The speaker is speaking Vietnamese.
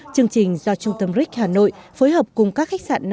chương trình do trung tâm ric hà nội phối hợp cùng các khách sạn cao cấp